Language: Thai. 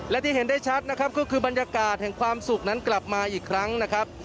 และที่เห็นได้ชัดนะครับก็คือบรรยากาศแห่งความสุขนั้นกลับมาอีกครั้งนะครับ